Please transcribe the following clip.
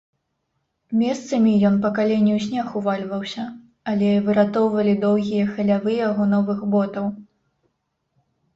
Месцамі ён па калені ў снег увальваўся, але выратоўвалі доўгія халявы яго новых ботаў.